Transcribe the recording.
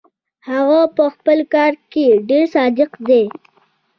هغه پهخپل کار کې ډېر صادق دی.